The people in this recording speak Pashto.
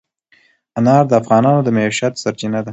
انار د افغانانو د معیشت سرچینه ده.